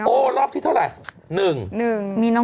รอบที่เท่าไหร่